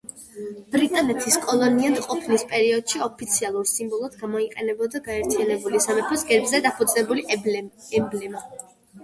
ბრიტანეთის კოლონიად ყოფნის პერიოდში ოფიციალურ სიმბოლოდ გამოიყენებოდა გაერთიანებული სამეფოს გერბზე დაფუძნებული ემბლემა.